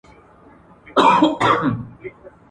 معلم صاحب خپل لور تېره کړ.